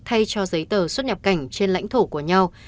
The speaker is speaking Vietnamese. thay cho giấy tờ xuất nhập cảnh trên lãnh thổ của nhau